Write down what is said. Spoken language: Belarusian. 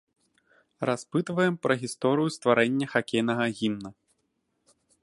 Распытваем пра гісторыю стварэння хакейнага гімна.